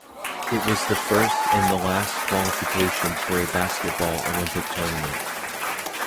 It was the first and the last qualification for a Basketball Olympic Tournament.